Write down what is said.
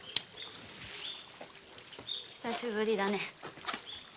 久しぶりだね。